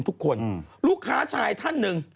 ทุกคนลูกค้าชายท่านหนึ่ง